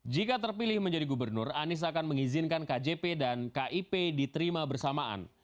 jika terpilih menjadi gubernur anies akan mengizinkan kjp dan kip diterima bersamaan